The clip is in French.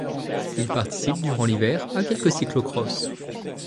Il participe durant l'hiver à quelques cyclo-cross.